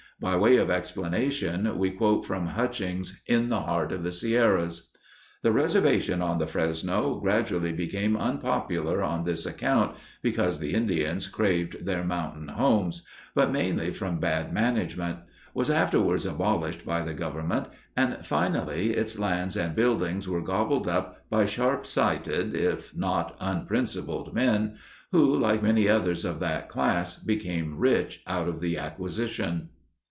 By way of explanation we quote from Hutchings' In the Heart of the Sierras: The reservation on the Fresno gradually became unpopular on this account [because the Indians craved their mountain homes], but mainly from bad management; was afterwards abolished by the Government; and, finally, its lands and buildings were gobbled up by sharp sighted, if not unprincipled men, who, like many others of that class, became rich out of the acquisition.